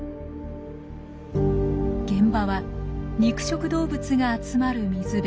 現場は肉食動物が集まる水辺。